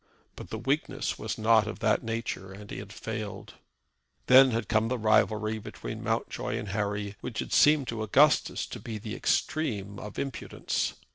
But the weakness was not of that nature, and he had failed. Then had come the rivalry between Mountjoy and Harry, which had seemed to Augustus to be the extreme of impudence.